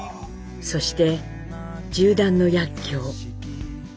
そして銃弾の薬きょう。